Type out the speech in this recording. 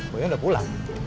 boynya udah pulang